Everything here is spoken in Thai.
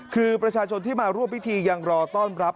คือประชาชนที่มาร่วมพิธียังรอต้อนรับ